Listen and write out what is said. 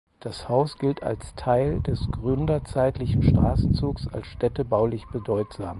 Das Haus gilt als Teil des gründerzeitlichen Straßenzugs als städtebaulich bedeutsam.